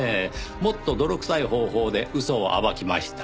もっと泥臭い方法で嘘を暴きました。